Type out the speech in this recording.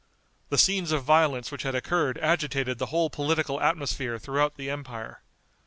The scenes of violence which had occurred agitated the whole political atmosphere throughout the empire.